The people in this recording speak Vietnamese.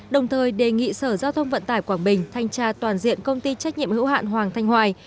đồng thời đề nghị sở giao thông vận tải quảng bình thanh tra toàn diện công ty trách nhiệm hữu hạn hoàng thanh hoài